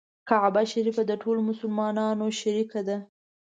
کعبه شریفه د ټولو مسلمانانو شریکه ده.